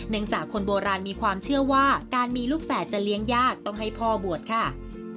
จากคนโบราณมีความเชื่อว่าการมีลูกแฝดจะเลี้ยงยากต้องให้พ่อบวชค่ะ